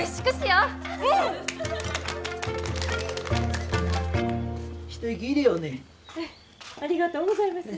ありがとうございます。